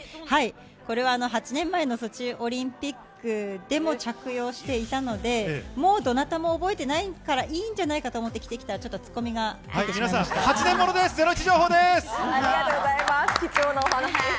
これを８年前のソチオリンピックでも着用していたので、もうどなたも覚えてないからいいんじゃないかと思って着てきたら、ツッコミが入ってしまいました。